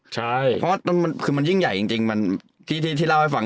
ใช่เพราะว่ามันคือมันยิ่งใหญ่จริงจริงมันที่ที่ที่เล่าให้ฟัง